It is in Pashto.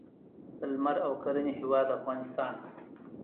د لمر او کرنې هیواد افغانستان.